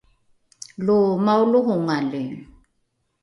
lo maolohongali